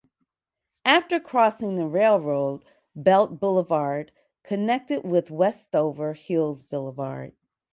After crossing the railroad, Belt Boulevard connected with Westover Hills Boulevard.